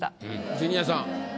ジュニアさん。